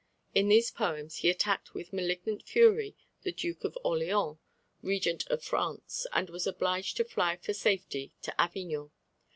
In these poems he attacked with malignant fury the Duke of Orleans, Regent of France, and was obliged to fly for safety to Avignon.